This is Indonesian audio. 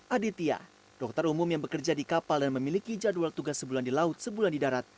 aditya dokter umum yang bekerja di kapal dan memiliki jadwal tugas sebulan di laut sebulan di darat